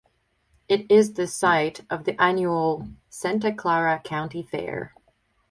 It is the site of the annual Santa Clara County Fair.